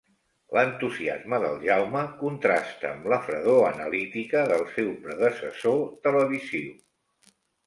L'entusiasme del Jaume contrasta amb la fredor analítica del seu predecessor televisiu.